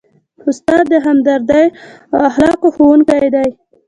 استاد د همدردۍ او اخلاقو ښوونکی دی.